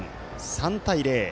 ３対０。